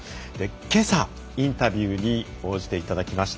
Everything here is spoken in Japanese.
けさ、インタビューに応じていただきました。